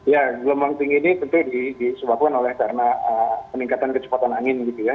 ya gelombang tinggi ini tentu disebabkan oleh karena peningkatan kecepatan angin gitu ya